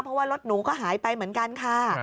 เพราะว่ารถหนูก็หายไปเหมือนกันค่ะ